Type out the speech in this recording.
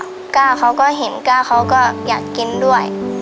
ก้าทำงานเขาก็เห็นก้าทำงานเขาก็อยากกินด้วย